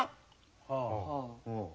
はあ。